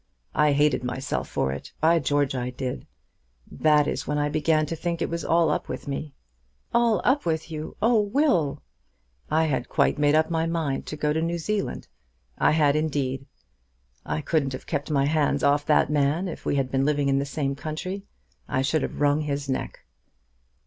I hated myself for it. By George, I did. That is when I began to think it was all up with me." "All up with you! Oh, Will!" "I had quite made up my mind to go to New Zealand. I had, indeed. I couldn't have kept my hands off that man if we had been living in the same country. I should have wrung his neck."